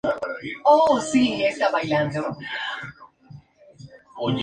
Una de las versiones más populares es la apología del libre albedrío.